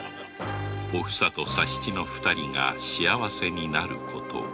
お房と佐七の二人が幸せになることを